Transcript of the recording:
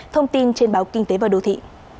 thông tin trên báo kinh tế và đô thị